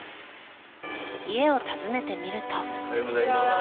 家を訪ねてみると。